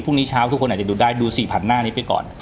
พรุ่งนี้เช้าทุกคนอาจจะดูได้ดู๔๐๐หน้านี้ไปก่อน